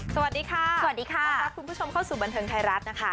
สวัสดีค่ะสวัสดีค่ะต้อนรับคุณผู้ชมเข้าสู่บันเทิงไทยรัฐนะคะ